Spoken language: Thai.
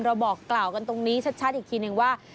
บอกกล่าวกันตรงนี้ชัดอีกทีนึงว่า